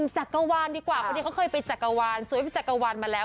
๑จักรวานดีกว่าเพราะเขาเคยไปจักรวานสวยไปจักรวานมาแล้ว